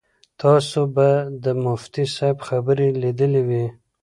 تاسو به د مفتي صاحب خبرې لیدلې وي.